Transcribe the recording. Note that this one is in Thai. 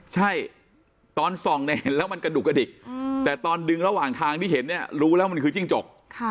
ใช่ตอนส่องเนี่ยเห็นแล้วมันกระดุกกระดิกแต่ตอนดึงระหว่างทางที่เห็นเนี่ยรู้แล้วมันคือจิ้งจก